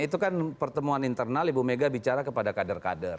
itu kan pertemuan internal ibu mega bicara kepada kader kader